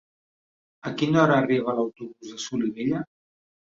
A quina hora arriba l'autobús de Solivella?